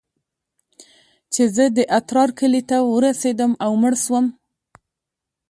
چې زه د اترار کلي ته ورسېدم او مړ سوم.